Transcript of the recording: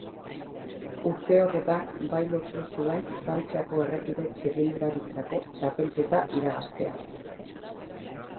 Urte horretan bai lortu zuen Frantziako errepide txirrindularitzako txapelketa irabaztea.